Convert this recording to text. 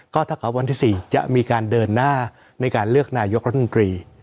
ก็เท่ากับวันที่สี่จะมีการเดินหน้าในการเลือกนายกรมนตรี